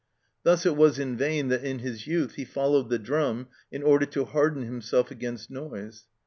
Thus it was in vain that in his youth he followed the drum in order to harden himself against noise.